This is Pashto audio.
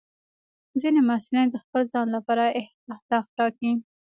ځینې محصلین د خپل ځان لپاره اهداف ټاکي.